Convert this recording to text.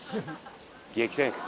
激戦区。